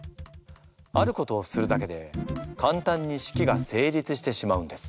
あることをするだけでかんたんに式が成立してしまうんです。